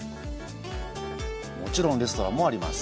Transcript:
もちろんレストランもあります。